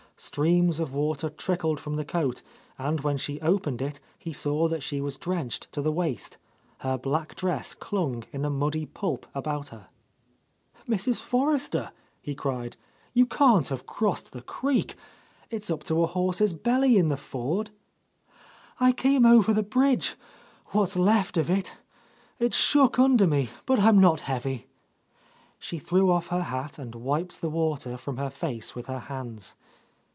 Streams gf water trickled from the coat, and when she opened it he saw that she was drenched tg the waist, — her black dress clung in a muddy pulp about her. "Mrs. Forrester," he cried, "you can't have crossed the creek 1 It's up to a horse's belly in the ford." "I came over the bridge, what's left of it. It shook under me, but I'm not heavy." She threw off her hat and wiped the water from her face with her hands.